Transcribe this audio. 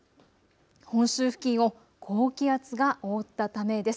本州付近を高気圧が覆ったためです。